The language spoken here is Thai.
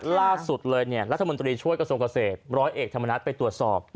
ล่าสุดเลยรัฐมนตรีช่วยกระทรวงเกษตรร้อยเอกธรรมนัฐไปตรวจสอบ